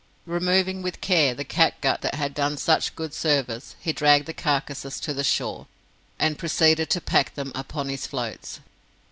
Removing with care the catgut that had done such good service, he dragged the carcases to the shore, and proceeded to pack them upon his floats.